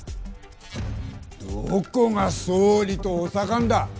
どこが総理と補佐官だ。